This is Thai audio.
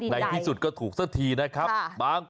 ในที่สุดก็ถูกสักทีนะครับ